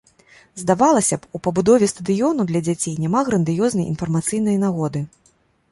Здавалася б, у пабудове стадыёнаў для дзяцей няма грандыёзнай інфармацыйнай нагоды.